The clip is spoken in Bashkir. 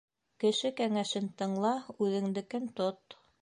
Кеше кәңәшен тыңла, үҙеңдекен тот.